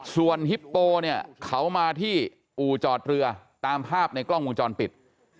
ส่วนฮิปโปเนี่ยเขามาที่อู่จอดเรือตามภาพในกล้องวงจรปิด